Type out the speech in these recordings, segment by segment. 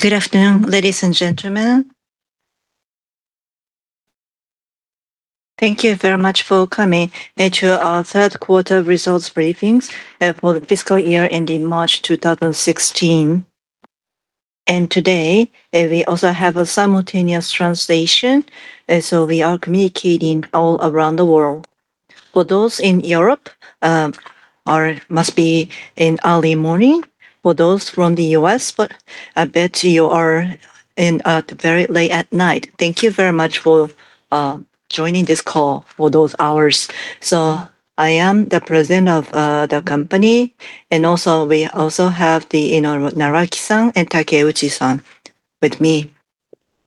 Good afternoon, ladies and gentlemen. Thank you very much for coming into our third quarter results briefings for the fiscal year ending March 2026. Today, we also have a simultaneous translation, so we are communicating all around the world. For those in Europe, must be in early morning. For those from the U.S., but I bet you are in very late at night. Thank you very much for joining this call for those hours. I am the President of the company, and also we also have the, you know, Naraki-san and Takeuchi-san with me.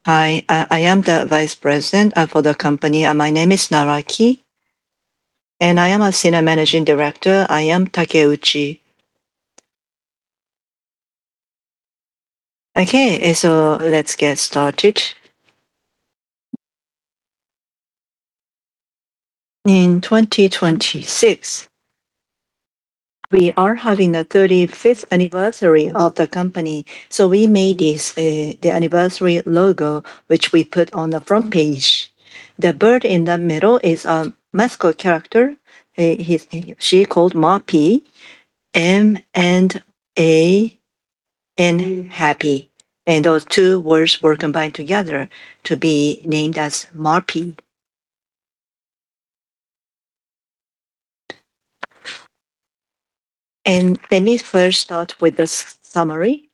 Hi, I am the Vice President for the company, and my name is Naraki. And I am a Senior Managing Director, I am Takeuchi. Okay, so let's get started. In 2026, we are having the 35th anniversary of the company, so we made this, the anniversary logo, which we put on the front page. The bird in the middle is a mascot character. He's, she called MAPY. M&A and happy, and those two words were combined together to be named as MAPY. Let me first start with the summary.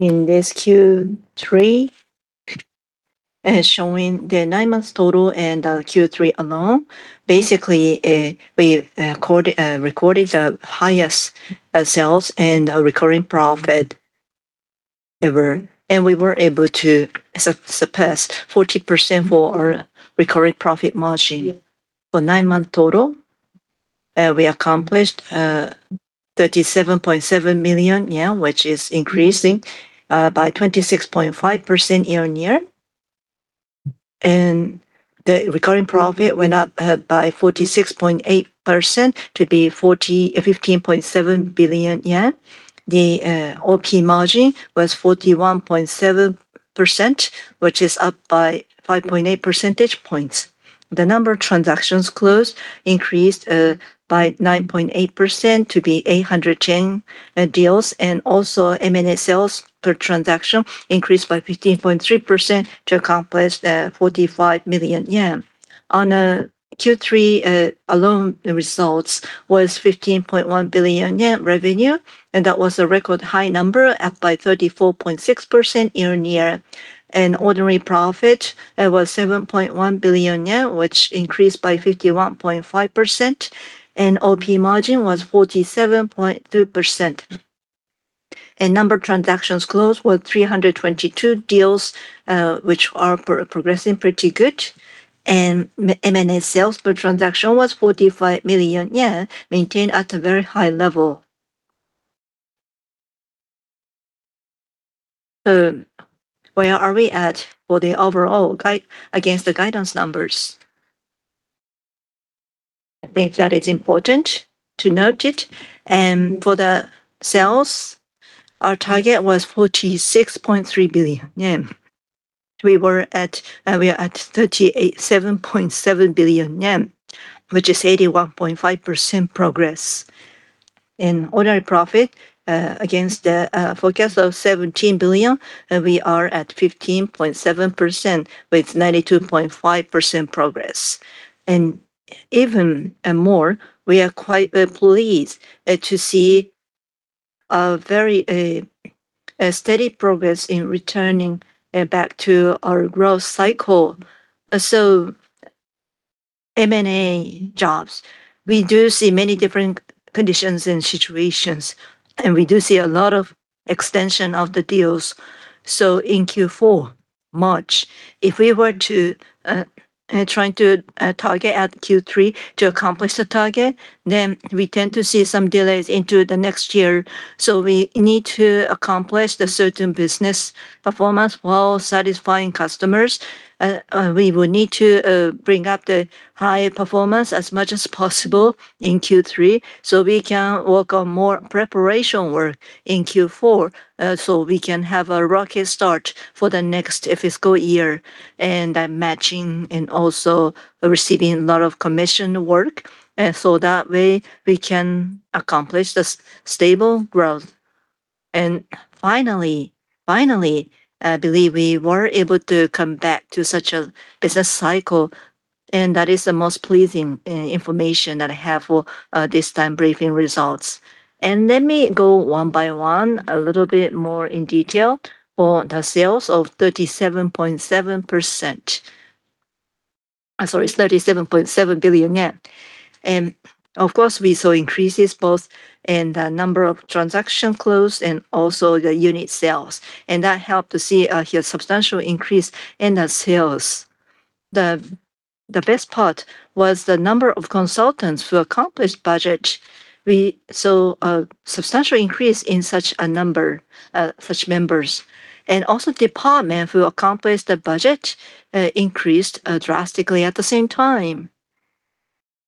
In this Q3, showing the nine months total and Q3 alone, basically, we recorded the highest sales and recurring profit ever, and we were able to surpass 40% for our recurring profit margin. For 9-month total, we accomplished 37.7 million yen, which is increasing by 26.5% year-on-year, and the recurring profit went up by 46.8% to be 15.7 billion yen. The OP margin was 41.7%, which is up by 5.8 percentage points. The number of transactions closed increased by 9.8% to be 810 deals, and also M&A sales per transaction increased by 15.3% to accomplish 45 million yen. On Q3 alone, the results was 15.1 billion yen revenue, and that was a record high number, up by 34.6% year-on-year. Ordinary profit was 7.1 billion yen, which increased by 51.5%, and OP margin was 47.2%. Number of transactions closed was 322 deals, which are progressing pretty good, and M&A sales per transaction was 45 million yen, maintained at a very high level. Where are we at for the overall guide against the guidance numbers? I think that is important to note it, and for the sales, our target was 46.3 billion yen. We are at 38.7 billion yen, which is 81.5% progress. In ordinary profit, against the forecast of 17 billion, we are at 15.7 billion, with 92.5% progress. Even more, we are quite pleased to see a very steady progress in returning back to our growth cycle. So M&A jobs, we do see many different conditions and situations, and we do see a lot of extension of the deals. So in Q4, March, if we were to try to target at Q3 to accomplish the target, then we tend to see some delays into the next year. So we need to accomplish the certain business performance while satisfying customers. We will need to bring up the high performance as much as possible in Q3, so we can work on more preparation work in Q4, so we can have a rocket start for the next fiscal year, and matching and also receiving a lot of commission work, so that way we can accomplish the stable growth. And finally, finally, I believe we were able to come back to such a business cycle, and that is the most pleasing information that I have for this time briefing results. And let me go one by one, a little bit more in detail for the sales of 37.7%... I'm sorry, it's 37.7 billion yen. Of course, we saw increases both in the number of transaction closed and also the unit sales, and that helped to see a substantial increase in the sales. The best part was the number of consultants who accomplished budget. We saw a substantial increase in such a number, such members. And also departments who accomplished the budget increased drastically at the same time.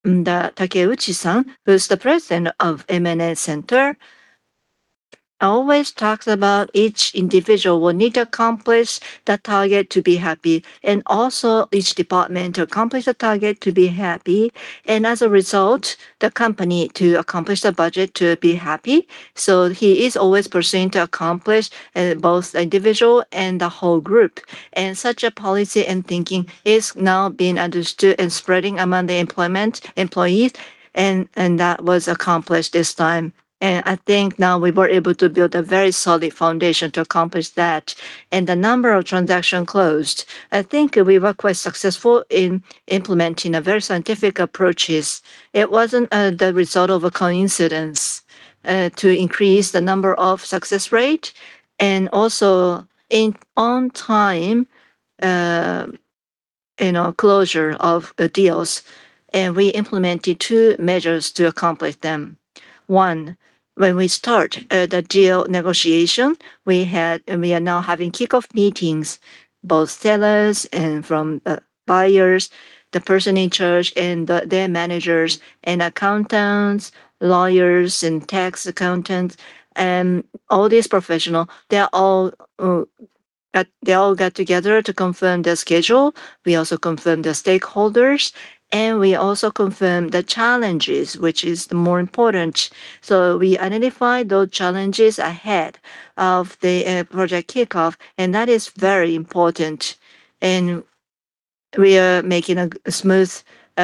Takeuchi-san, who's the president of M&A Center, always talks about each individual will need to accomplish the target to be happy, and also each department to accomplish the target to be happy, and as a result, the company to accomplish the budget to be happy. So he is always pursuing to accomplish both individual and the whole group. Such a policy and thinking is now being understood and spreading among the employees, and that was accomplished this time. I think now we were able to build a very solid foundation to accomplish that. The number of transactions closed, I think we were quite successful in implementing a very scientific approach. It wasn't the result of a coincidence to increase the number of success rate and also in on-time, you know, closure of the deals, and we implemented two measures to accomplish them. One, when we start the deal negotiation, we had. We are now having kickoff meetings, both sellers and from buyers, the person in charge and their managers and accountants, lawyers and tax accountants, and all these professionals, they all got together to confirm the schedule. We also confirmed the stakeholders, and we also confirmed the challenges, which is the more important. So we identify those challenges ahead of the project kickoff, and that is very important. And we are making a smooth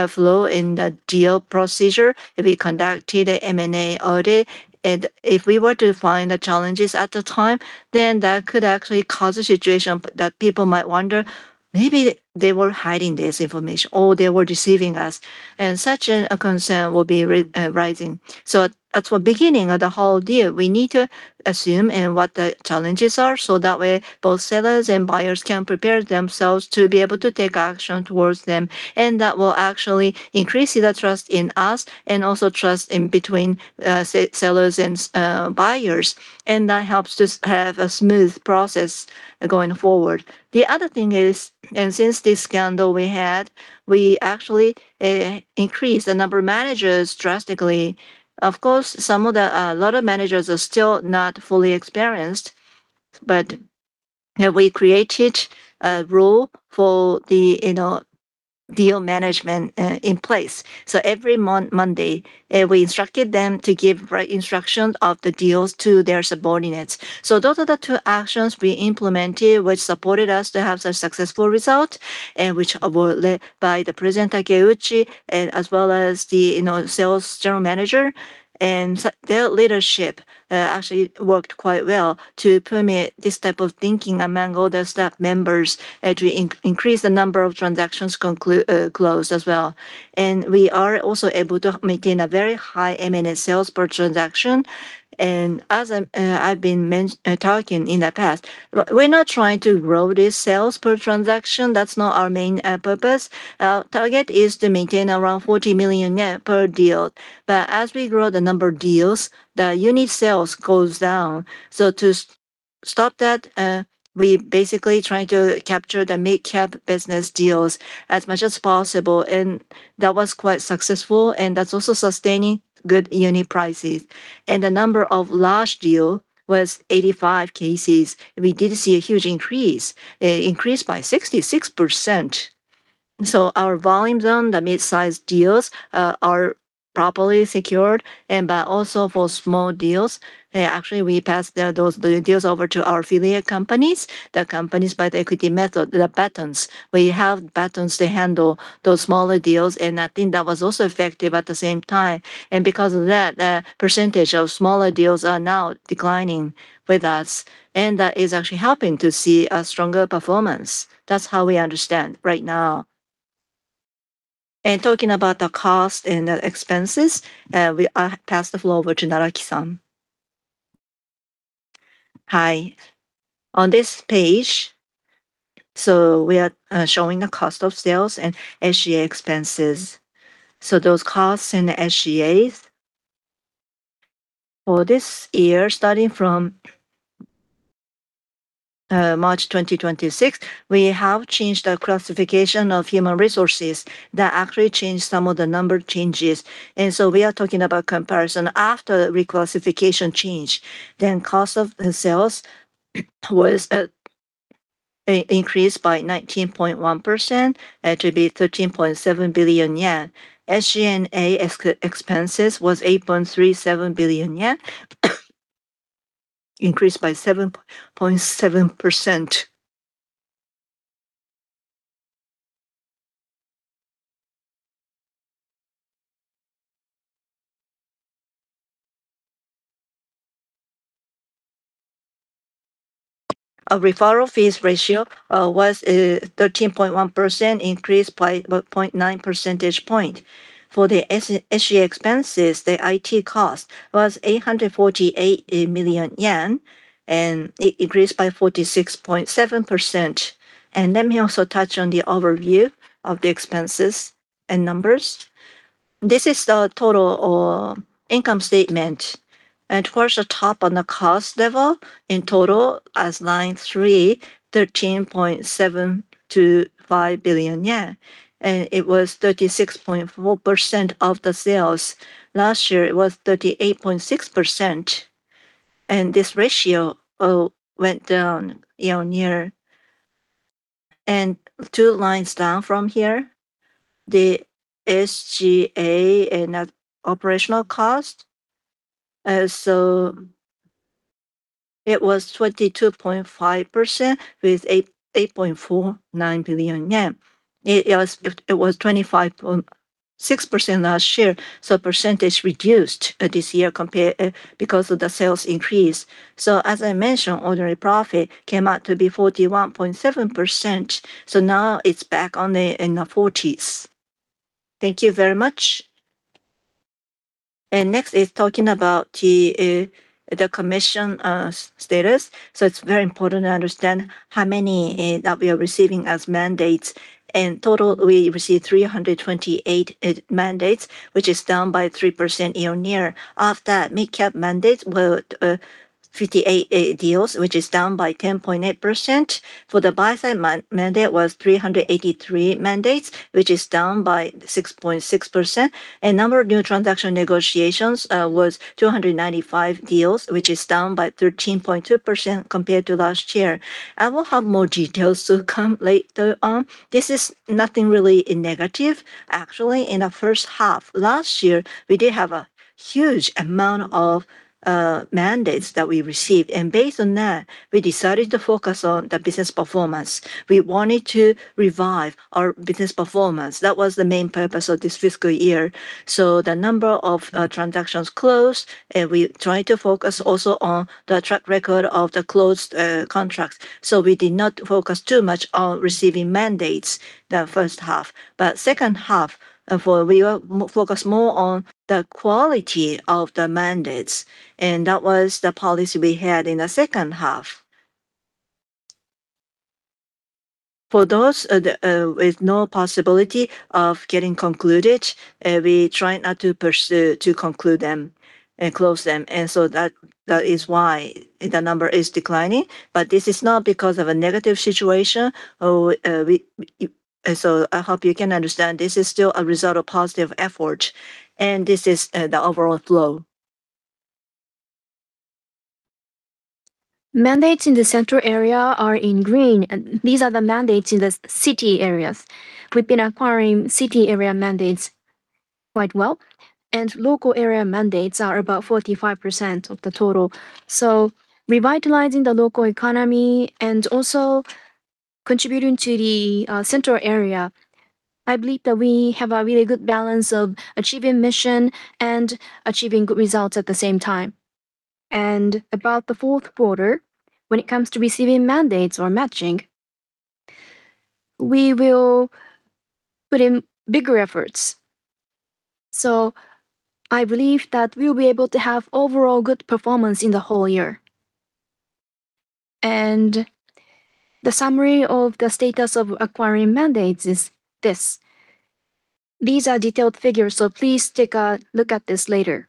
flow in the deal procedure. We conducted an M&A audit, and if we were to find the challenges at the time, then that could actually cause a situation that people might wonder, "Maybe they were hiding this information, or they were deceiving us." And such a concern will be rising. So at the beginning of the whole deal, we need to assume and what the challenges are, so that way, both sellers and buyers can prepare themselves to be able to take action towards them. And that will actually increase the trust in us and also trust in between sellers and buyers. That helps us have a smooth process going forward. The other thing is, and since this scandal we had, we actually increased the number of managers drastically. Of course, a lot of managers are still not fully experienced, but we created a role for the, you know, deal management in place. Every Monday, we instructed them to give right instruction of the deals to their subordinates. Those are the two actions we implemented, which supported us to have a successful result and which are led by the President Takeuchi, and as well as the, you know, Sales General Manager. Their leadership actually worked quite well to permit this type of thinking among all the staff members to increase the number of transactions closed as well. We are also able to maintain a very high M&A sales per transaction. As I've been talking in the past, we're not trying to grow this sales per transaction. That's not our main purpose. Our target is to maintain around 40 million yen per deal. But as we grow the number of deals, the unit sales goes down. So to stop that, we basically trying to capture the mid-cap business deals as much as possible, and that was quite successful, and that's also sustaining good unit prices. And the number of large deal was 85 cases. We did see a huge increase by 66%. So our volume on the mid-sized deals are properly secured, and but also for small deals, actually, we passed those deals over to our affiliate companies, the companies by the equity method, the partners. We have partners to handle those smaller deals, and I think that was also effective at the same time. And because of that, the percentage of smaller deals are now declining with us, and that is actually helping to see a stronger performance. That's how we understand right now. And talking about the cost and the expenses, we, I'll pass the floor over to Naraki-san. Hi. On this page, so we are showing the cost of sales and SG&A expenses. So those costs in the SG&As, for this year, starting from March 2026, we have changed the classification of human resources. That actually changed some of the number changes. We are talking about comparison after reclassification change. Cost of sales increased by 19.1% to 13.7 billion yen. SG&A expenses was 8.37 billion yen, increased by 7.7%. Our referral fees ratio was 13.1%, increased by 0.9 percentage point. For the SG&A expenses, the IT cost was 848 million yen, and it increased by 46.7%. Let me also touch on the overview of the expenses and numbers. This is the total income statement, and towards the top on the cost level, in total, as line three, 13.75 billion yen, and it was 36.4% of the sales. Last year, it was 38.6%.... and this ratio went down, you know, near. And two lines down from here, the SG&A and operational cost. So it was 22.5% with JPY 8.49 billion. It was 25.6% last year, so percentage reduced this year compared because of the sales increase. So as I mentioned, ordinary profit came out to be 41.7%, so now it's back on the, in the forties. Thank you very much. And next is talking about the commission status. So it's very important to understand how many that we are receiving as mandates. In total, we received 328 mandates, which is down by 3% year-on-year. Of that, mid-cap mandates were 58 deals, which is down by 10.8%. For the buy-side mandates was 383 mandates, which is down by 6.6%. Number of new transaction negotiations was 295 deals, which is down by 13.2% compared to last year. I will have more details to come later on. This is nothing really negative. Actually, in the first half last year, we did have a huge amount of mandates that we received, and based on that, we decided to focus on the business performance. We wanted to revive our business performance. That was the main purpose of this fiscal year. The number of transactions closed, we tried to focus also on the track record of the closed contracts. We did not focus too much on receiving mandates the first half. But second half, for we were focus more on the quality of the mandates, and that was the policy we had in the second half. For those, the, with no possibility of getting concluded, we try not to pursue, to conclude them and close them, and so that, that is why the number is declining. But this is not because of a negative situation, we... So I hope you can understand, this is still a result of positive effort, and this is, the overall flow. Mandates in the central area are in green, and these are the mandates in the city areas. We've been acquiring city area mandates quite well, and local area mandates are about 45% of the total. Revitalizing the local economy and also contributing to the central area, I believe that we have a really good balance of achieving mission and achieving good results at the same time. About the fourth quarter, when it comes to receiving mandates or matching, we will put in bigger efforts. I believe that we'll be able to have overall good performance in the whole year. The summary of the status of acquiring mandates is this. These are detailed figures, so please take a look at this later.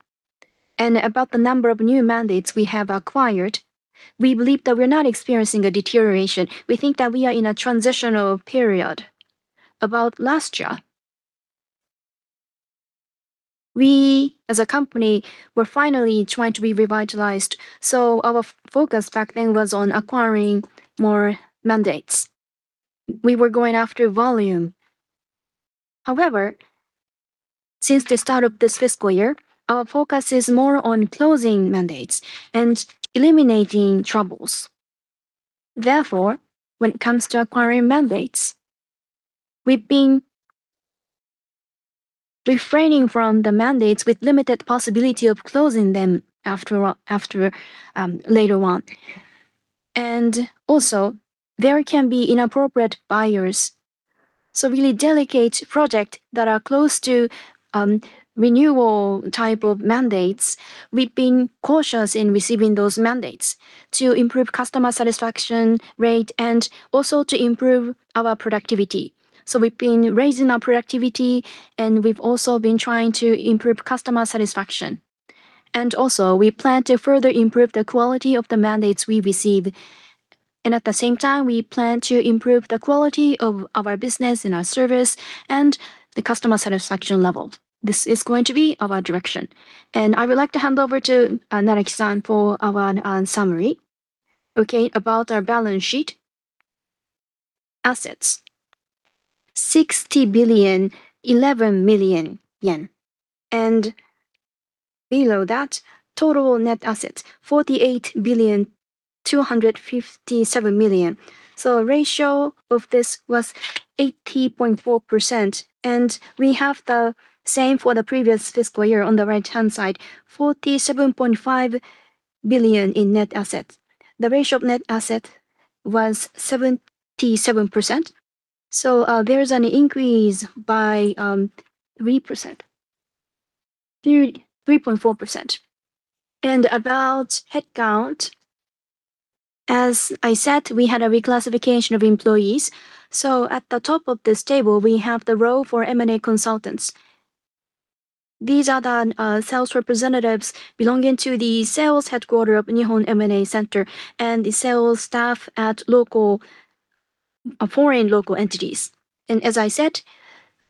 About the number of new mandates we have acquired, we believe that we're not experiencing a deterioration. We think that we are in a transitional period. About last year, we, as a company, were finally trying to be revitalized, so our focus back then was on acquiring more mandates. We were going after volume. However, since the start of this fiscal year, our focus is more on closing mandates and eliminating troubles. Therefore, when it comes to acquiring mandates, we've been refraining from the mandates with limited possibility of closing them later on. Also, there can be inappropriate buyers. So really delicate project that are close to renewal type of mandates, we've been cautious in receiving those mandates to improve customer satisfaction rate and also to improve our productivity. We've been raising our productivity, and we've also been trying to improve customer satisfaction. We plan to further improve the quality of the mandates we receive, and at the same time, we plan to improve the quality of our business and our service and the customer satisfaction level. This is going to be our direction. I would like to hand over to Naraki-san for our summary. Okay, about our balance sheet. Assets, 60 billion 11 million, and below that, total net assets, 48 billion 257 million. So ratio of this was 80.4%, and we have the same for the previous fiscal year on the right-hand side, 47.5 billion in net assets. The ratio of net asset was 77%, so there's an increase by 3.4%. And about headcount, as I said, we had a reclassification of employees. So at the top of this table, we have the role for M&A consultants. These are the sales representatives belonging to the sales headquarters of Nihon M&A Center and the sales staff at foreign local entities. And as I said,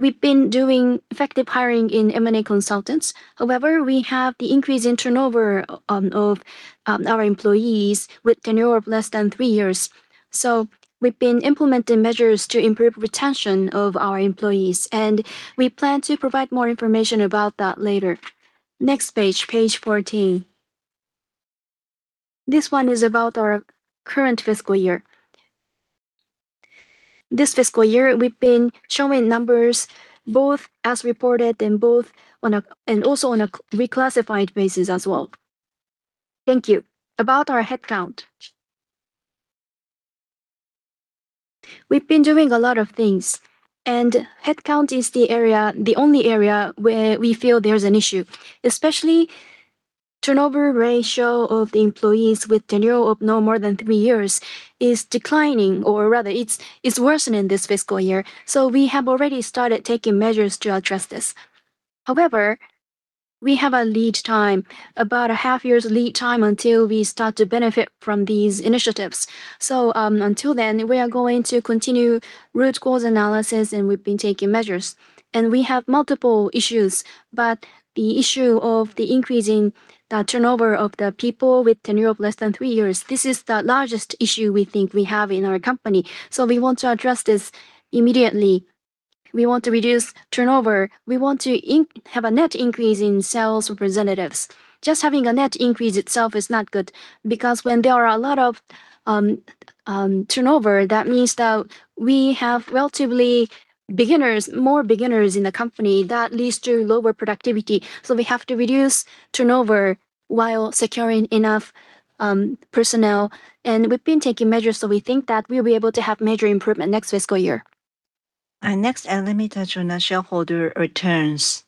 we've been doing effective hiring in M&A consultants. However, we have the increase in turnover of our employees with tenure of less than three years. So we've been implementing measures to improve retention of our employees, and we plan to provide more information about that later. Next page, page 14. This one is about our current fiscal year. This fiscal year, we've been showing numbers both as reported and also on a reclassified basis as well. Thank you. About our headcount. We've been doing a lot of things, and headcount is the area, the only area where we feel there's an issue, especially turnover ratio of the employees with tenure of no more than three years is declining, or rather, it's worsening this fiscal year. So we have already started taking measures to address this. However, we have a lead time, about a half year's lead time, until we start to benefit from these initiatives. So, until then, we are going to continue root cause analysis, and we've been taking measures. And we have multiple issues, but the issue of the increasing the turnover of the people with tenure of less than three years, this is the largest issue we think we have in our company. So we want to address this immediately. We want to reduce turnover. We want to have a net increase in sales representatives. Just having a net increase itself is not good because when there are a lot of turnover, that means that we have relatively beginners, more beginners in the company. That leads to lower productivity. We have to reduce turnover while securing enough personnel, and we've been taking measures, so we think that we'll be able to have major improvement next fiscal year. And next, let me touch on the shareholder returns.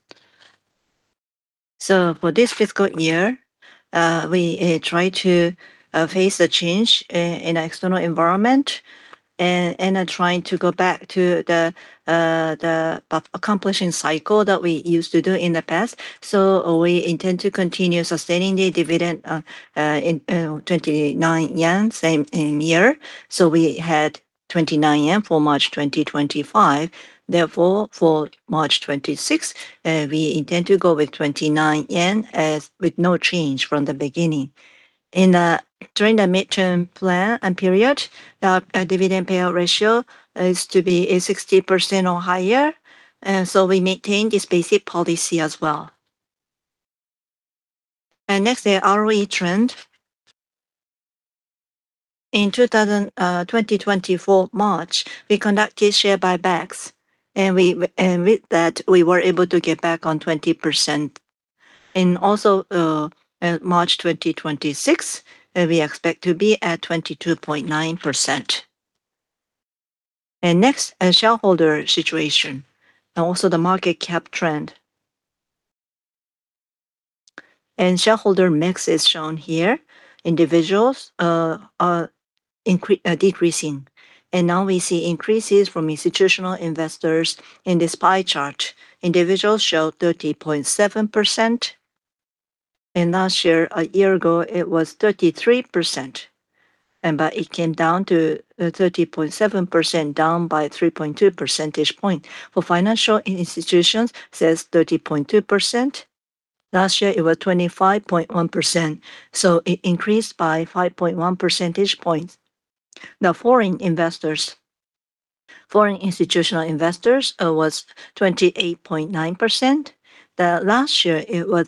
So for this fiscal year, we try to face the change in external environment and are trying to go back to the accomplishing cycle that we used to do in the past. So we intend to continue sustaining the dividend in 29 yen, same in year. So we had 29 yen for March 2025. Therefore, for March 2026, we intend to go with 29 yen as with no change from the beginning. In the midterm plan and period, the dividend payout ratio is to be 60% or higher, and so we maintain this basic policy as well. And next, the ROE trend. In 2024 March, we conducted share buybacks, and with that, we were able to get back on 20%. Also, March 2026, we expect to be at 22.9%. Next, shareholder situation and also the market cap trend. Shareholder mix is shown here. Individuals are decreasing, and now we see increases from institutional investors in this pie chart. Individuals show 30.7%, and last year, a year ago, it was 33%, and but it came down to 30.7%, down by 3.2 percentage points. For financial institutions, says 30.2%. Last year, it was 25.1%, so it increased by 5.1 percentage points. Now, foreign investors, foreign institutional investors, was 28.9%. The last year, it was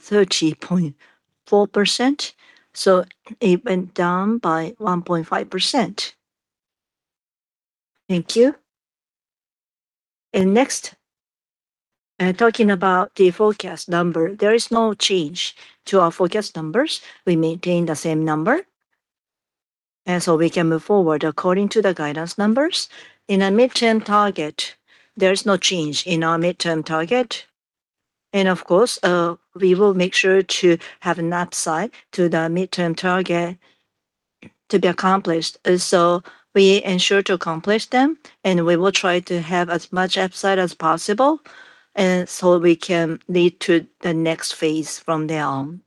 30.4%, so it went down by 1.5%. Thank you. Next, talking about the forecast number, there is no change to our forecast numbers. We maintain the same number, and so we can move forward according to the guidance numbers. In the midterm target, there is no change in our midterm target, and of course, we will make sure to have an upside to the midterm target to be accomplished. So we ensure to accomplish them, and we will try to have as much upside as possible, and so we can lead to the next phase from there on.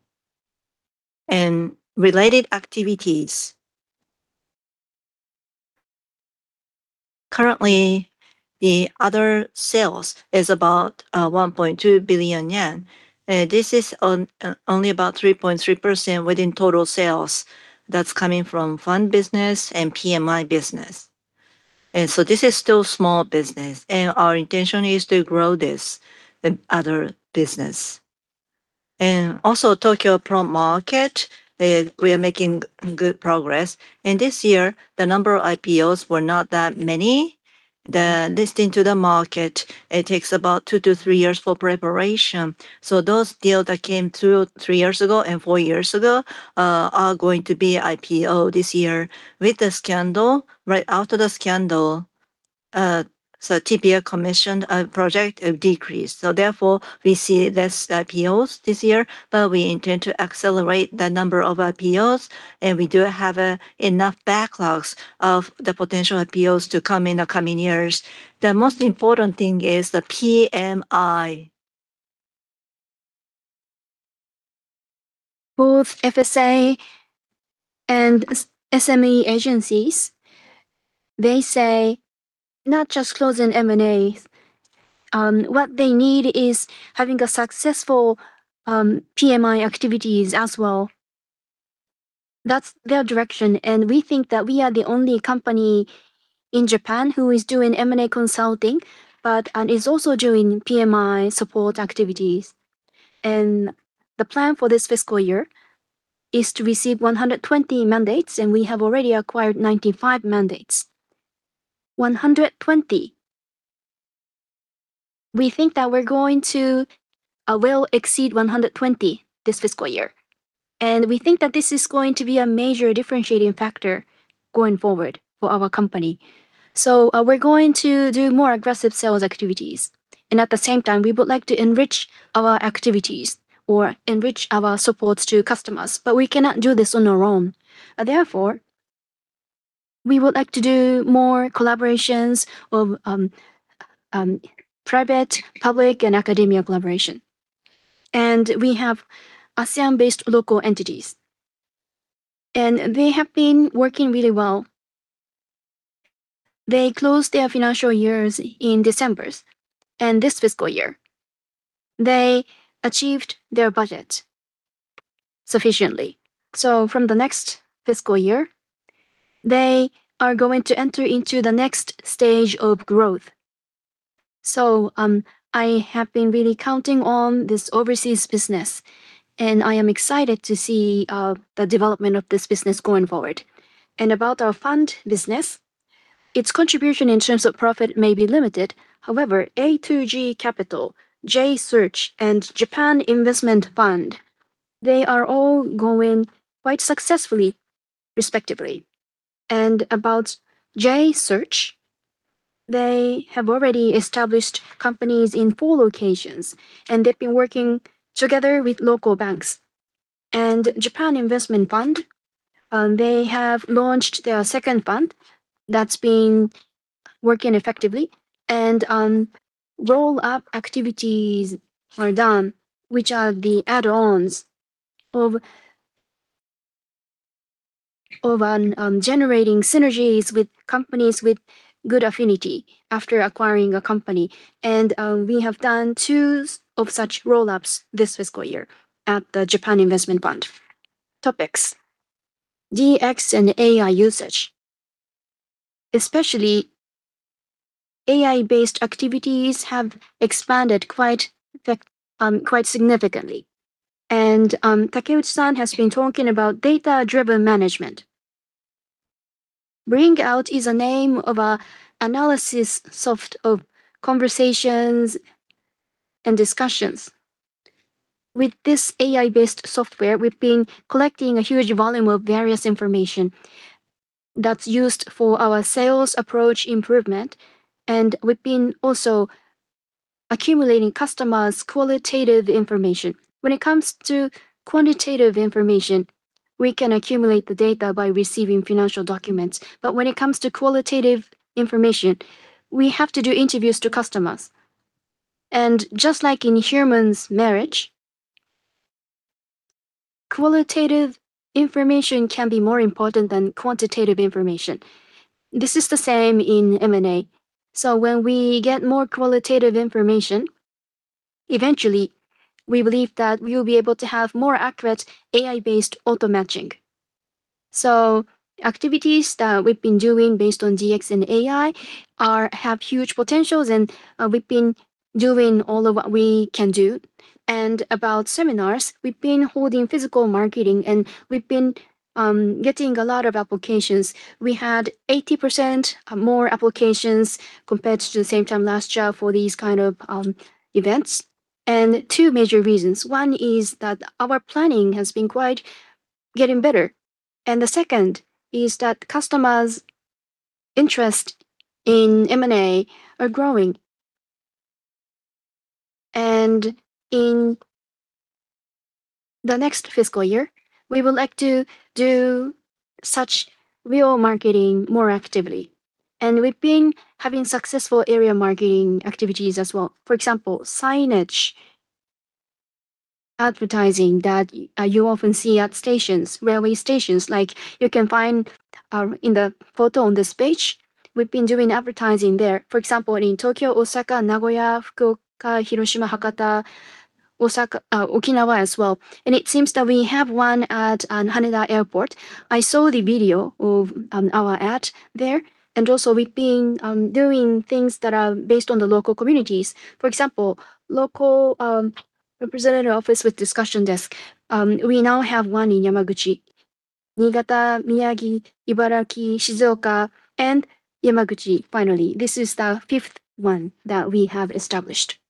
Related activities. Currently, the other sales is about 1.2 billion yen. This is only about 3.3% within total sales. That's coming from fund business and PMI business, and so this is still small business, and our intention is to grow this, the other business. And also, Tokyo Pro Market, we are making good progress. And this year, the number of IPOs were not that many. The listing to the market, it takes about 2-3 years for preparation. So those deals that came through 3 years ago and 4 years ago are going to be IPO this year. With the scandal, right after the scandal, so TPM commissioned a project, it decreased. So therefore, we see less IPOs this year, but we intend to accelerate the number of IPOs, and we do have enough backlogs of the potential IPOs to come in the coming years. The most important thing is the PMI. Both FSA and SME Agencies, they say not just closing M&A, what they need is having a successful, PMI activities as well. That's their direction, and we think that we are the only company in Japan who is doing M&A consulting, but, and is also doing PMI support activities. And the plan for this fiscal year is to receive 120 mandates, and we have already acquired 95 mandates. 120. We think that we're going to will exceed 120 this fiscal year, and we think that this is going to be a major differentiating factor going forward for our company. So, we're going to do more aggressive sales activities, and at the same time, we would like to enrich our activities or enrich our supports to customers, but we cannot do this on our own. Therefore, we would like to do more collaborations of private, public, and academia collaboration. And we have ASEAN-based local entities, and they have been working really well. They closed their financial years in Decembers, and this fiscal year, they achieved their budget sufficiently. So from the next fiscal year, they are going to enter into the next stage of growth. So I have been really counting on this overseas business, and I am excited to see the development of this business going forward. And about our fund business, its contribution in terms of profit may be limited. However, AtoG Capital, J-Search, and Japan Investment Fund, they are all going quite successfully, respectively. And about J-Search, they have already established companies in four locations, and they've been working together with local banks. Japan Investment Fund, they have launched their second fund that's been working effectively and, roll-up activities are done, which are the add-ons of generating synergies with companies with good affinity after acquiring a company. And, we have done two of such roll-ups this fiscal year at the Japan Investment Fund. Topics: DX and AI usage. Especially AI-based activities have expanded quite significantly. And, Takeuchi-san has been talking about data-driven management. BringOut is a name of an analysis software of conversations and discussions. With this AI-based software, we've been collecting a huge volume of various information that's used for our sales approach improvement, and we've been also accumulating customers' qualitative information. When it comes to quantitative information, we can accumulate the data by receiving financial documents. But when it comes to qualitative information, we have to do interviews to customers. Just like in humans' marriage, qualitative information can be more important than quantitative information. This is the same in M&A. When we get more qualitative information, eventually, we believe that we will be able to have more accurate AI-based auto-matching. Activities that we've been doing based on DX and AI have huge potentials, and we've been doing all of what we can do. About seminars, we've been holding physical marketing, and we've been getting a lot of applications. We had 80% more applications compared to the same time last year for these kind of events. Two major reasons. One is that our planning has been quite getting better, and the second is that customers' interest in M&A are growing. In the next fiscal year, we would like to do such real marketing more actively. We've been having successful area marketing activities as well. For example, signage advertising that you often see at stations, railway stations, like you can find in the photo on this page. We've been doing advertising there. For example, in Tokyo, Osaka, Nagoya, Fukuoka, Hiroshima, Hakata, Osaka, Okinawa as well. It seems that we have one at Haneda Airport. I saw the video of our ad there, and also we've been doing things that are based on the local communities. For example, local representative office with discussion desk. We now have one in Yamaguchi, Niigata, Miyagi, Ibaraki, Shizuoka, and Yamaguchi, finally. This is the fifth one that we have established.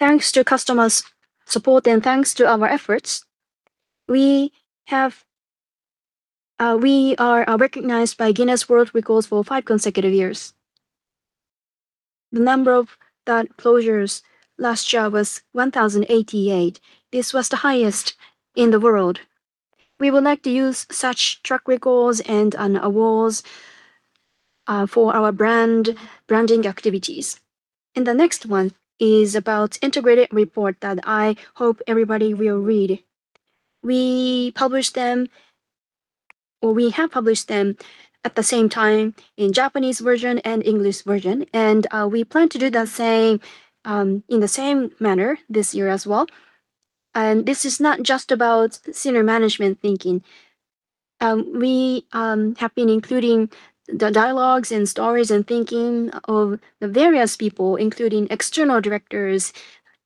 Thanks to customers' support and thanks to our efforts, we are recognized by Guinness World Records for five consecutive years. The number of deal closures last year was 1,088. This was the highest in the world. We would like to use such track records and awards for our brand branding activities. The next one is about integrated report that I hope everybody will read. We published them, or we have published them at the same time in Japanese version and English version, and we plan to do the same in the same manner this year as well. This is not just about senior management thinking. We have been including the dialogues and stories and thinking of the various people, including external directors,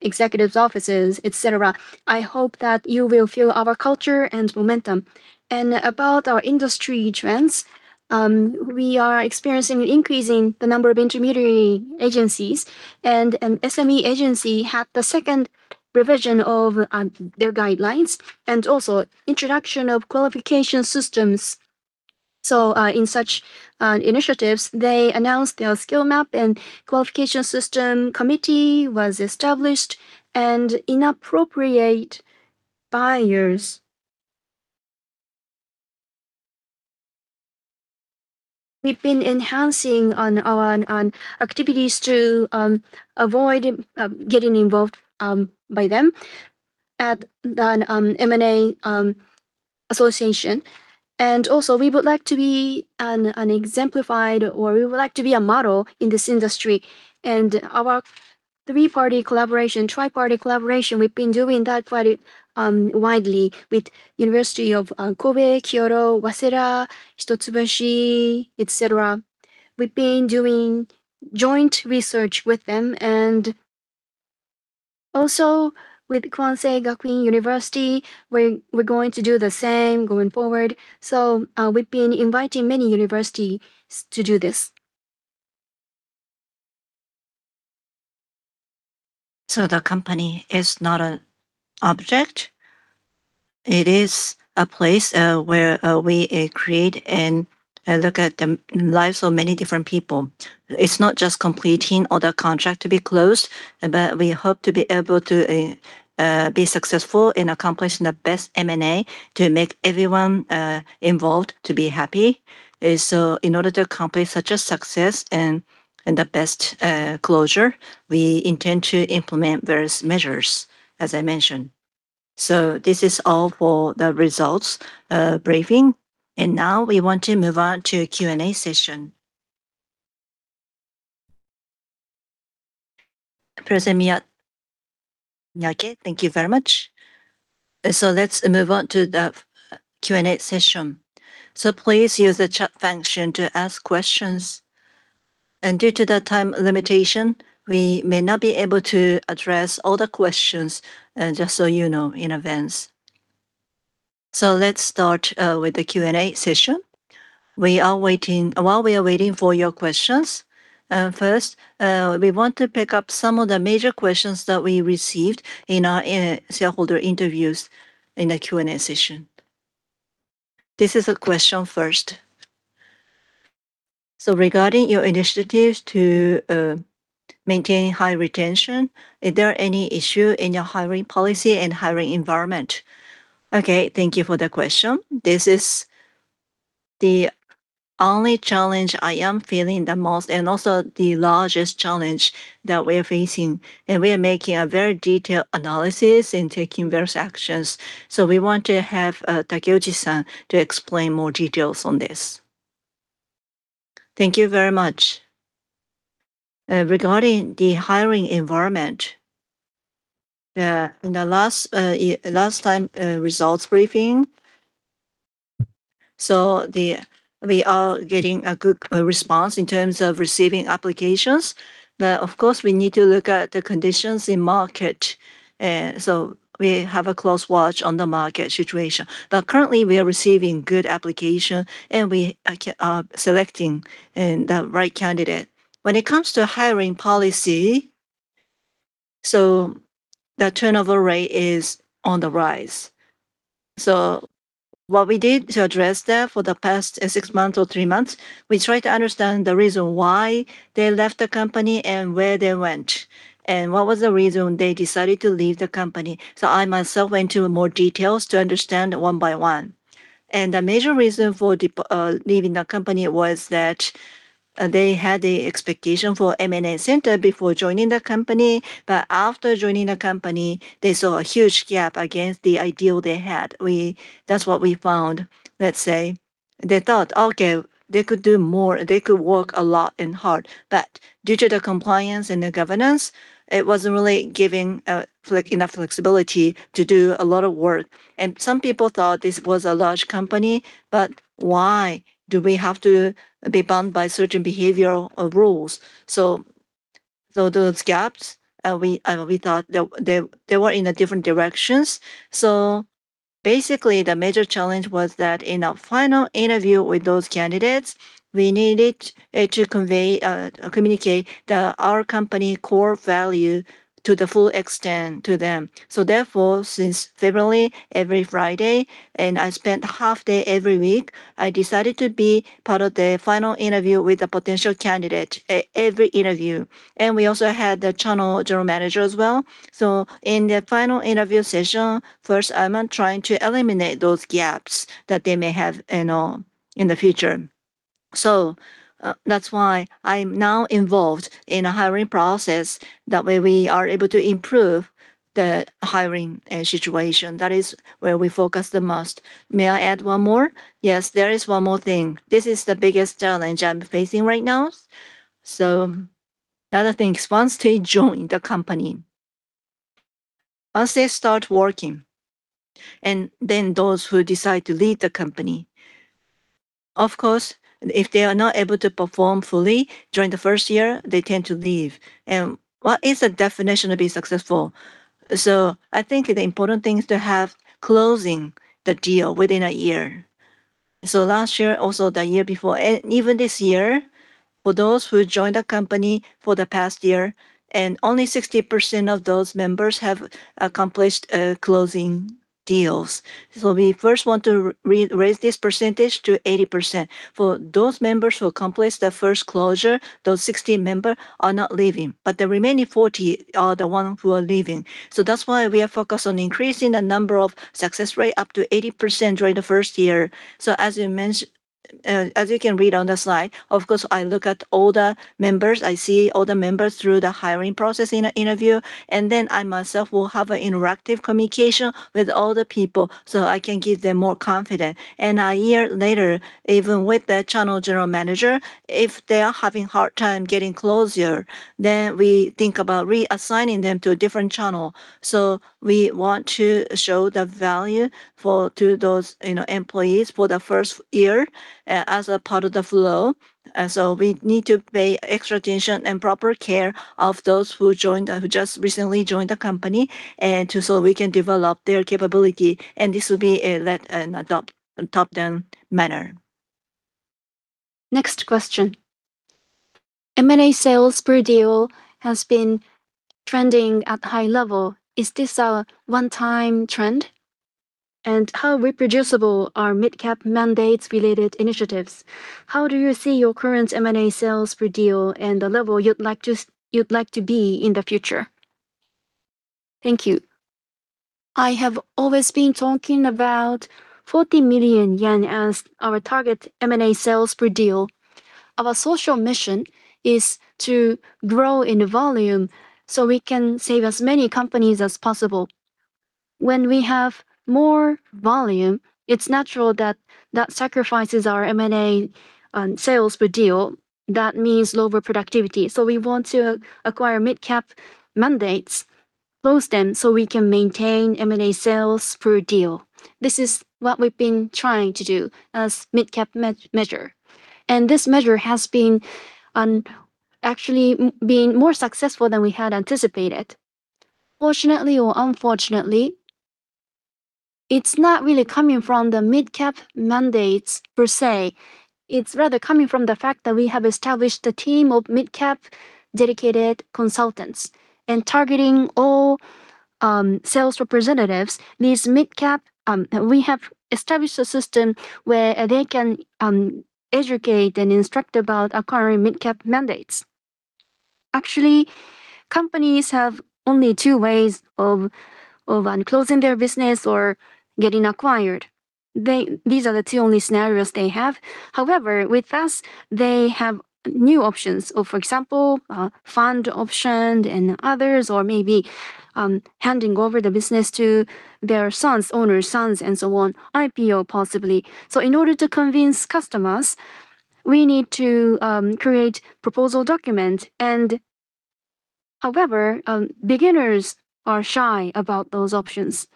executive offices, et cetera. I hope that you will feel our culture and momentum. About our industry trends, we are experiencing increasing the number of intermediary agencies, and SME Agency had the second revision of their guidelines, and also introduction of qualification systems. In such initiatives, they announced their skill map and qualification system committee was established and inappropriate buyers. We've been enhancing on activities to avoid getting involved by them at the M&A Association. Also, we would like to be an exemplified, or we would like to be a model in this industry. Our three-party collaboration, tri-party collaboration, we've been doing that quite widely with Kobe University, Kyoto University, Waseda University, Hitotsubashi University, et cetera. We've been doing joint research with the M&A and also with Kwansei Gakuin University. We're going to do the same going forward. So, we've been inviting many universities to do this. So the company is not an object, it is a place, where we create and look at the lives of many different people. It's not just completing all the contract to be closed, but we hope to be able to be successful in accomplishing the best M&A to make everyone involved to be happy. So in order to accomplish such a success and the best closure, we intend to implement various measures, as I mentioned. So this is all for the results briefing, and now we want to move on to Q&A session. President Miyake, thank you very much. So let's move on to the Q&A session. So please use the chat function to ask questions, and due to the time limitation, we may not be able to address all the questions, just so you know in advance. So let's start with the Q&A session. We are waiting... While we are waiting for your questions, first, we want to pick up some of the major questions that we received in our shareholder interviews in the Q&A session. This is a question first. So regarding your initiatives to maintain high retention, is there any issue in your hiring policy and hiring environment? Okay, thank you for the question. This is the only challenge I am feeling the most, and also the largest challenge that we're facing, and we are making a very detailed analysis and taking various actions. So we want to have Takeuchi-san to explain more details on this. Thank you very much. Regarding the hiring environment, in the last time results briefing, so we are getting a good response in terms of receiving applications. But of course, we need to look at the conditions in market, so we have a close watch on the market situation. But currently, we are receiving good application, and we are selecting the right candidate. When it comes to hiring policy, so the turnover rate is on the rise. So what we did to address that for the past six months or three months, we tried to understand the reason why they left the company and where they went, and what was the reason they decided to leave the company. So I myself went into more details to understand one by one. The major reason for leaving the company was that they had a expectation for M&A Center before joining the company, but after joining the company, they saw a huge gap against the ideal they had. That's what we found. Let's say they thought, okay, they could do more, they could work a lot and hard, but due to the compliance and the governance, it wasn't really giving enough flexibility to do a lot of work. Some people thought this was a large company, but why do we have to be bound by certain behavioral rules? Those gaps, we thought they were in different directions. So basically, the major challenge was that in a final interview with those candidates, we needed to convey, communicate the our company core value to the full extent to them. So therefore, since February, every Friday, and I spent half day every week, I decided to be part of the final interview with a potential candidate every interview. And we also had the channel general manager as well. So in the final interview session, first, I'm trying to eliminate those gaps that they may have in the future. So, that's why I'm now involved in a hiring process. That way, we are able to improve the hiring situation. That is where we focus the most. May I add one more? Yes, there is one more thing. This is the biggest challenge I'm facing right now. So the other thing is once they join the company, once they start working, and then those who decide to leave the company. Of course, if they are not able to perform fully during the first year, they tend to leave. What is the definition of being successful? So I think the important thing is to have closing the deal within a year. So last year, also the year before, and even this year, for those who joined the company for the past year, and only 60% of those members have accomplished closing deals. So we first want to re-raise this percentage to 80%. For those members who accomplished their first closure, those 60 members are not leaving, but the remaining 40 are the ones who are leaving. So that's why we are focused on increasing the number of success rate up to 80% during the first year. As you can read on the slide, of course, I look at all the members, I see all the members through the hiring process in an interview, and then I myself will have an interactive communication with all the people, so I can give them more confidence. And a year later, even with the channel general manager, if they are having a hard time getting closure, then we think about reassigning them to a different channel. So we want to show the value for, to those, you know, employees for the first year as a part of the flow. So we need to pay extra attention and proper care of those who joined, who just recently joined the company, and to... We can develop their capability, and this will be a lead and adopt, top-down manner. Next question. M&A sales per deal has been trending at high level. Is this a one-time trend? And how reproducible are mid-cap mandates related initiatives? How do you see your current M&A sales per deal and the level you'd like just- you'd like to be in the future? Thank you. I have always been talking about 40 million yen as our target M&A sales per deal. Our social mission is to grow in volume so we can save as many companies as possible. When we have more volume, it's natural that, that sacrifices our M&A sales per deal. That means lower productivity. So we want to acquire mid-cap mandates, close them, so we can maintain M&A sales per deal. This is what we've been trying to do as mid-cap measure. And this measure has been, actually being more successful than we had anticipated. Fortunately or unfortunately, it's not really coming from the mid-cap mandates per se. It's rather coming from the fact that we have established a team of mid-cap dedicated consultants and targeting all sales representatives. We have established a system where they can educate and instruct about acquiring mid-cap mandates. Actually, companies have only two ways of closing their business or getting acquired. These are the two only scenarios they have. However, with us, they have new options. So for example, fund option and others, or maybe handing over the business to their sons, owner's sons, and so on. IPO, possibly. So in order to convince customers, we need to create proposal document and. However, beginners are shy about those options.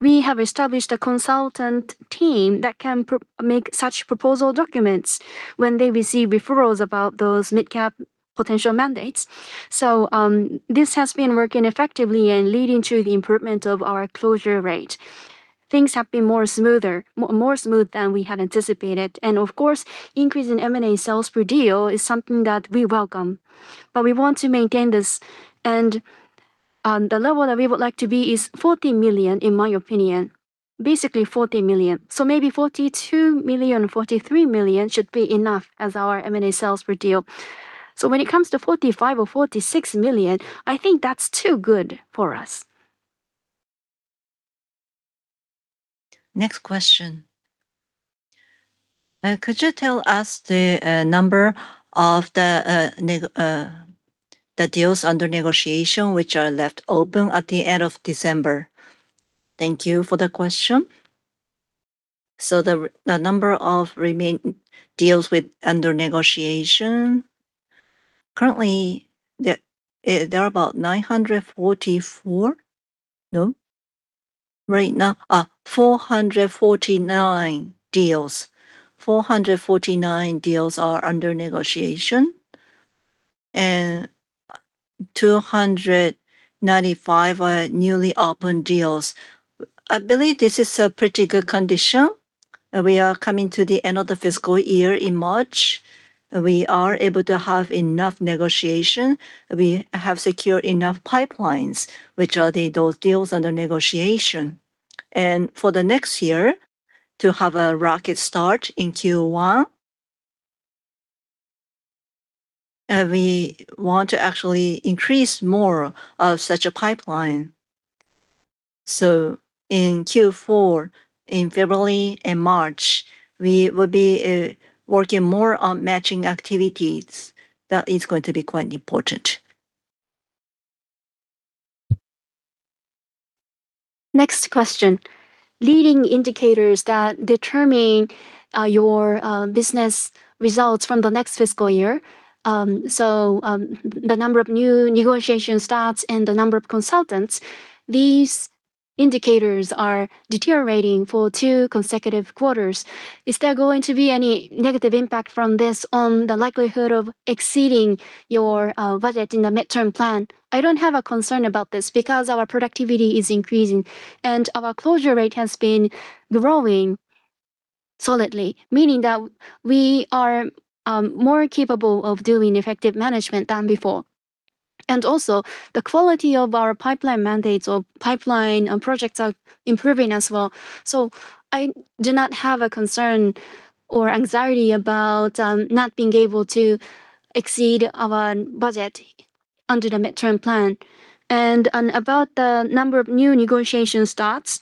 We have established a consultant team that can make such proposal documents when they receive referrals about those mid-cap potential mandates. So, this has been working effectively and leading to the improvement of our closure rate. Things have been more smooth than we had anticipated, and of course, increase in M&A sales per deal is something that we welcome. But we want to maintain this, and, the level that we would like to be is 40 million, in my opinion. Basically, 40 million. So maybe 42 million, 43 million should be enough as our M&A sales per deal. So when it comes to 45 million or 46 million, I think that's too good for us. Next question. Could you tell us the number of the deals under negotiation, which are left open at the end of December? Thank you for the question. So the number of remaining deals with under negotiation, currently, there are about 944. No. Right now, 449 deals. 449 deals are under negotiation, and 295 are newly opened deals. I believe this is a pretty good condition. We are coming to the end of the fiscal year in March. We are able to have enough negotiation. We have secured enough pipelines, which are the, those deals under negotiation. For the next year, to have a rocket start in Q1... We want to actually increase more of such a pipeline. So in Q4, in February and March, we will be working more on matching activities. That is going to be quite important. Next question. Leading indicators that determine your business results from the next fiscal year, so, the number of new negotiation starts and the number of consultants, these indicators are deteriorating for two consecutive quarters. Is there going to be any negative impact from this on the likelihood of exceeding your budget in the midterm plan? I don't have a concern about this because our productivity is increasing and our closure rate has been growing solidly. Meaning that we are more capable of doing effective management than before. And also, the quality of our pipeline mandates or pipeline and projects are improving as well. So I do not have a concern or anxiety about not being able to exceed our budget under the midterm plan. About the number of new negotiation starts,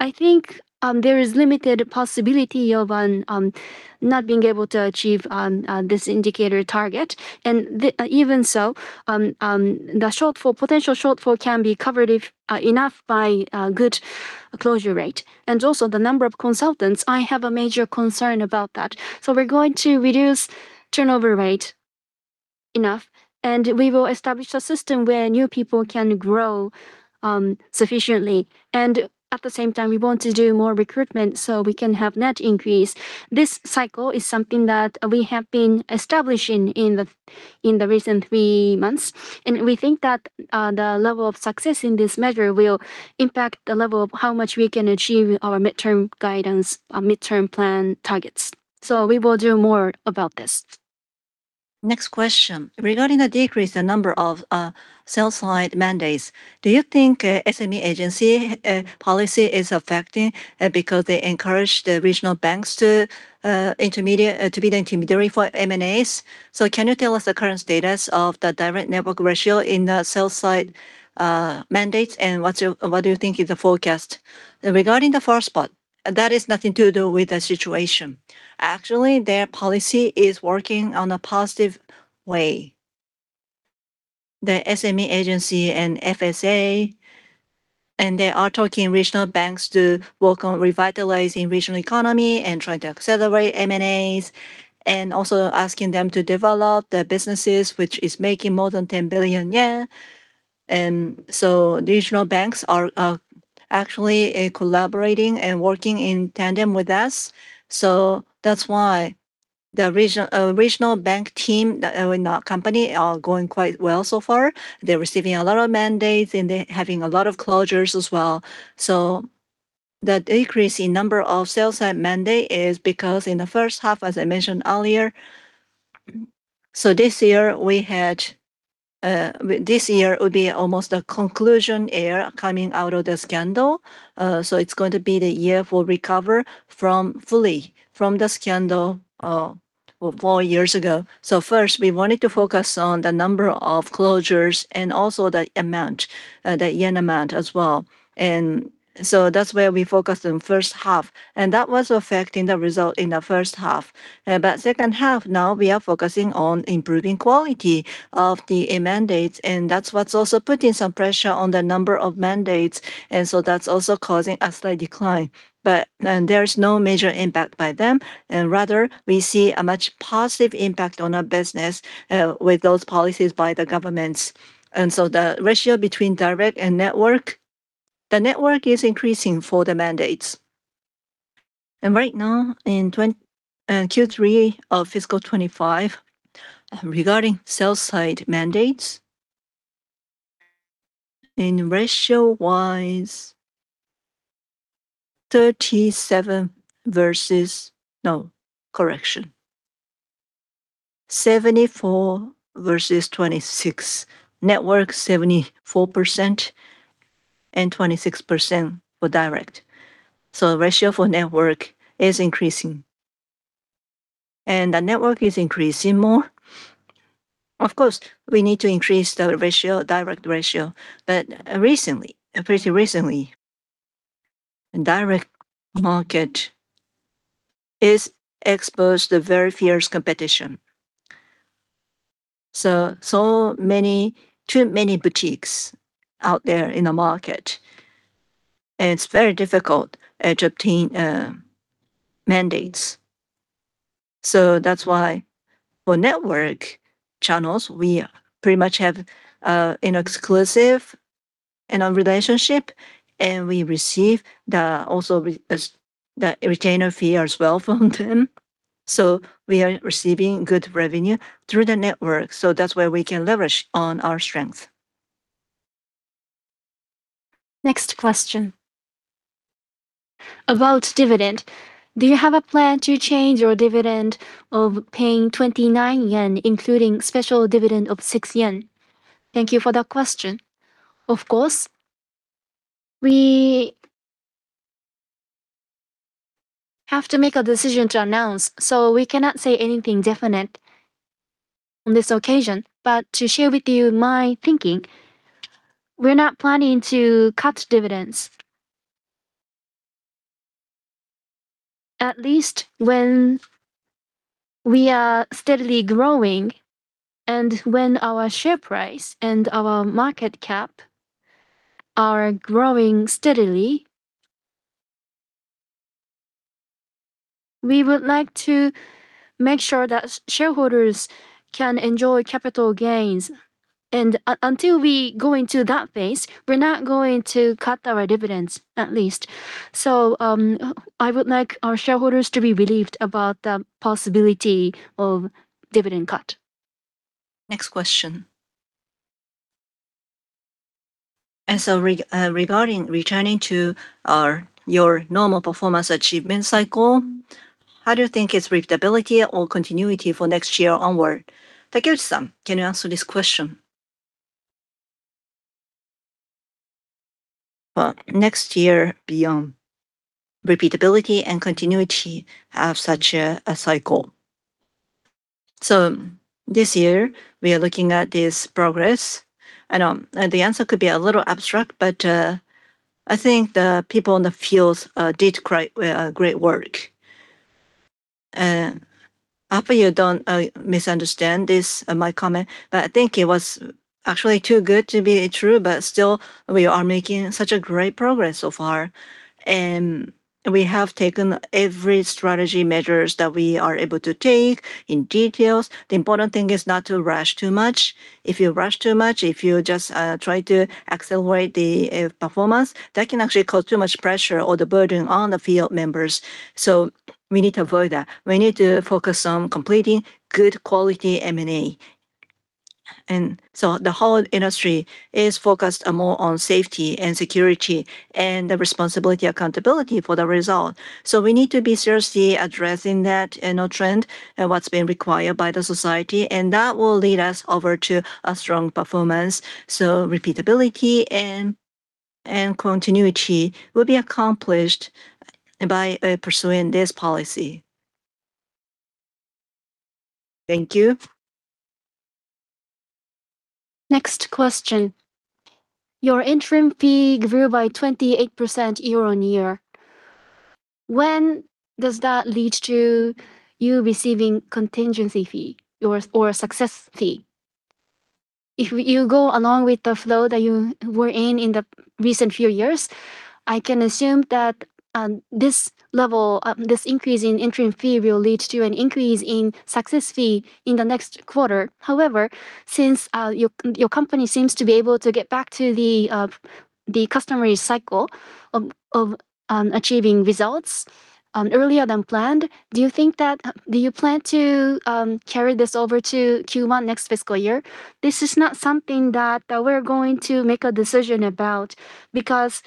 I think there is limited possibility of not being able to achieve this indicator target. Even so, the potential shortfall can be covered if enough by a good closure rate. And also the number of consultants, I have a major concern about that. So we're going to reduce turnover rate enough, and we will establish a system where new people can grow sufficiently. And at the same time, we want to do more recruitment so we can have net increase. This cycle is something that we have been establishing in the recent three months, and we think that the level of success in this measure will impact the level of how much we can achieve our midterm guidance, our midterm plan targets. We will do more about this. Next question. Regarding the decrease in number of sell-side mandates, do you think SME Agency policy is affecting, because they encourage the regional banks to intermediate, to be the intermediary for M&As? So can you tell us the current status of the direct network ratio in the sell-side mandates, and what do you think is the forecast? Regarding the first part, that is nothing to do with the situation. Actually, their policy is working on a positive way. The SME Agency and FSA, and they are talking regional banks to work on revitalizing regional economy and trying to accelerate M&As, and also asking them to develop their businesses, which is making more than 10 billion yen. And so the regional banks are actually collaborating and working in tandem with us. So that's why the regional bank team in our company are going quite well so far. They're receiving a lot of mandates, and they're having a lot of closures as well. So the decrease in number of sell-side mandate is because in the first half, as I mentioned earlier. So this year would be almost a conclusion year coming out of the scandal. So it's going to be the year to recover fully from the scandal four years ago. So first, we wanted to focus on the number of closures and also the amount, the yen amount as well. And so that's where we focused on first half, and that was affecting the result in the first half. But second half now, we are focusing on improving quality of the mandates, and that's what's also putting some pressure on the number of mandates, and so that's also causing a slight decline. But, and there is no major impact by them, and rather we see a much positive impact on our business, with those policies by the governments. And so the ratio between direct and network, the network is increasing for the mandates. And right now, in Q3 of fiscal 2025, regarding sell-side mandates, in ratio wise, 37% versus... No, correction. 74% versus 26%. Network, 74%, and 26% for direct. So ratio for network is increasing, and the network is increasing more. Of course, we need to increase the ratio, direct ratio, but recently, pretty recently, direct market is exposed to very fierce competition. So, so many, too many boutiques out there in the market, and it's very difficult to obtain mandates. So that's why for network channels, we pretty much have an exclusive in our relationship, and we receive the, also, the retainer fee as well from them. So we are receiving good revenue through the network, so that's where we can leverage on our strength. Next question. About dividend, do you have a plan to change your dividend of paying 29 yen, including special dividend of 6 yen? Thank you for that question. Of course, we- Have to make a decision to announce, so we cannot say anything definite on this occasion. But to share with you my thinking, we're not planning to cut dividends. At least when we are steadily growing and when our share price and our market cap are growing steadily, we would like to make sure that shareholders can enjoy capital gains. And until we go into that phase, we're not going to cut our dividends, at least. So, I would like our shareholders to be relieved about the possibility of dividend cut. Next question. And so regarding returning to your normal performance achievement cycle, how do you think it's repeatability or continuity for next year onward? Takeuchi-san, can you answer this question? Well, next year beyond repeatability and continuity of such a cycle. So this year, we are looking at this progress, and the answer could be a little abstract, but I think the people in the fields did quite great work. And I hope you don't misunderstand this my comment, but I think it was actually too good to be true, but still, we are making such a great progress so far. And we have taken every strategy measures that we are able to take in details. The important thing is not to rush too much. If you rush too much, if you just try to accelerate the performance, that can actually cause too much pressure or the burden on the field members, so we need to avoid that. We need to focus on completing good quality M&A. And so the whole industry is focused more on safety and security and the responsibility, accountability for the result. So we need to be seriously addressing that inner trend and what's been required by the society, and that will lead us over to a strong performance. So repeatability and continuity will be accomplished by pursuing this policy. Thank you. Next question. Your interim fee grew by 28% year-on-year. When does that lead to you receiving contingency fee or success fee? If you go along with the flow that you were in in the recent few years, I can assume that this level this increase in interim fee will lead to an increase in success fee in the next quarter. However, since your company seems to be able to get back to the customary cycle of achieving results earlier than planned, do you plan to carry this over to Q1 next fiscal year? This is not something that we're going to make a decision about, because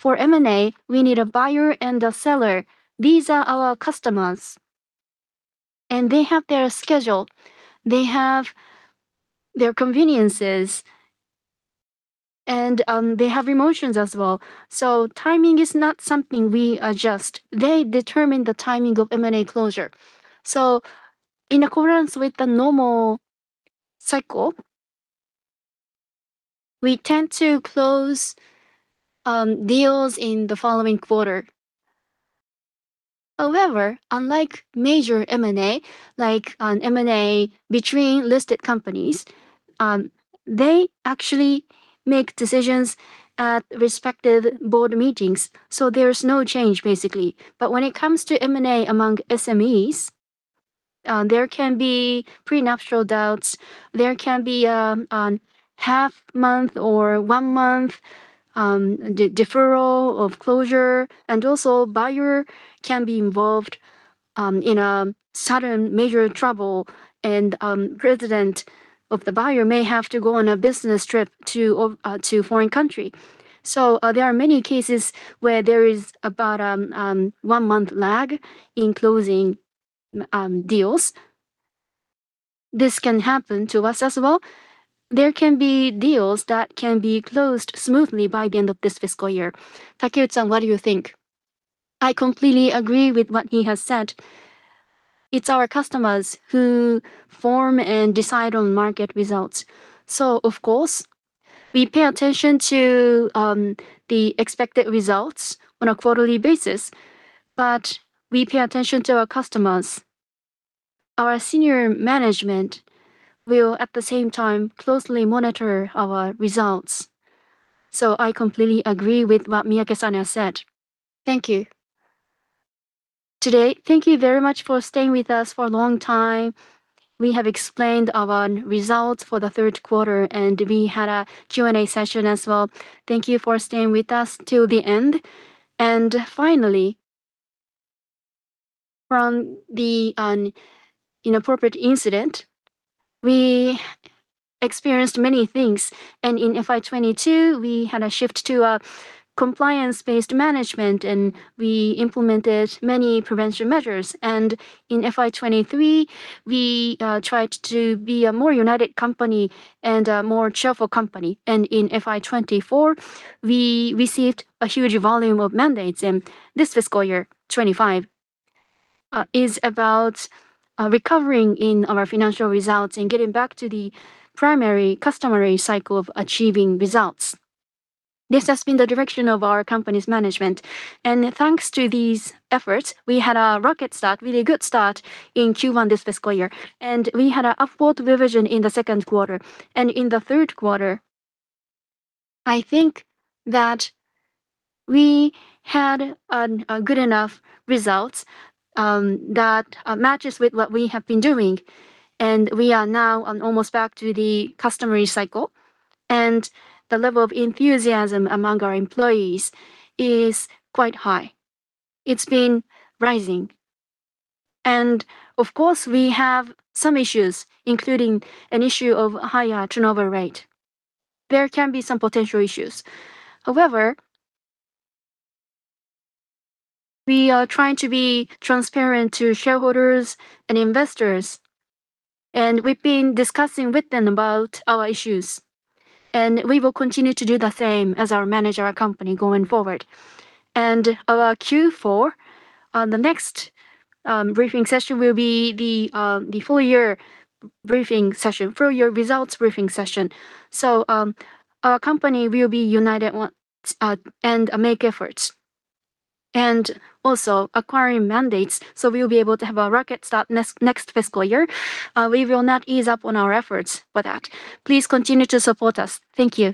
for M&A, we need a buyer and a seller. These are our customers, and they have their schedule, they have their conveniences, and they have emotions as well. So timing is not something we adjust. They determine the timing of M&A closure. So in accordance with the normal cycle, we tend to close deals in the following quarter. However, unlike major M&A, like on M&A between listed companies, they actually make decisions at respective board meetings, so there's no change, basically. But when it comes to M&A among SMEs, there can be prenuptial doubts, there can be half month or one month deferral of closure, and also buyer can be involved in a sudden major trouble, and president of the buyer may have to go on a business trip to foreign country. So, there are many cases where there is about one-month lag in closing deals. This can happen to us as well. There can be deals that can be closed smoothly by the end of this fiscal year. Takeuchi-san, what do you think? I completely agree with what he has said. It's our customers who form and decide on market results. So of course, we pay attention to the expected results on a quarterly basis, but we pay attention to our customers. Our senior management will, at the same time, closely monitor our results. So I completely agree with what Miyake-san has said. Thank you. Today, thank you very much for staying with us for a long time. We have explained our results for the third quarter, and we had a Q&A session as well. Thank you for staying with us till the end. And finally, from the inappropriate incident, we experienced many things, and in FY 2022, we had a shift to a compliance-based management, and we implemented many prevention measures. In FY 2023, we tried to be a more united company and a more cheerful company. In FY 2024, we received a huge volume of mandates, and this fiscal year, 2025, is about recovering in our financial results and getting back to the primary customary cycle of achieving results. This has been the direction of our company's management, and thanks to these efforts, we had a rocket start, really good start in Q1 this fiscal year, and we had a upward revision in the second quarter. In the third quarter, I think that we had a good enough results that matches with what we have been doing, and we are now almost back to the customary cycle, and the level of enthusiasm among our employees is quite high. It's been rising. Of course, we have some issues, including an issue of higher turnover rate. There can be some potential issues. However, we are trying to be transparent to shareholders and investors, and we've been discussing with them about our issues, and we will continue to do the same as we manage our company going forward. Our Q4, the next briefing session will be the full year briefing session, full year results briefing session. So, our company will be united once and make efforts, and also acquiring mandates, so we'll be able to have a rocket start next fiscal year. We will not ease up on our efforts for that. Please continue to support us. Thank you.